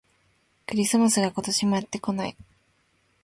クリスマスが、今年もやってこない